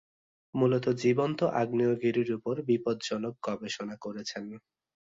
মুলত জীবন্ত আগ্নেয়গিরির ওপর বিপজ্জনক গবেষণা করেছেন।